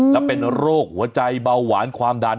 และเป็นโรคหัวใจเบาหวานความดัน